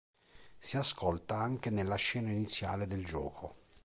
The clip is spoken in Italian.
Si ascolta anche nella scena iniziale del gioco.